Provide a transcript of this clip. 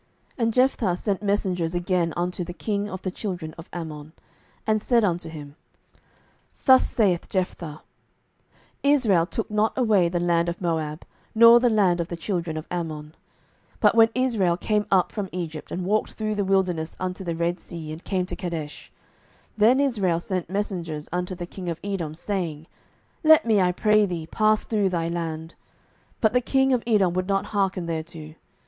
07:011:014 And Jephthah sent messengers again unto the king of the children of Ammon: 07:011:015 And said unto him, Thus saith Jephthah, Israel took not away the land of Moab, nor the land of the children of Ammon: 07:011:016 But when Israel came up from Egypt, and walked through the wilderness unto the Red sea, and came to Kadesh; 07:011:017 Then Israel sent messengers unto the king of Edom, saying, Let me, I pray thee, pass through thy land: but the king of Edom would not hearken thereto.